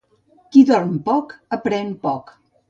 Qui dorm molt aprèn poc.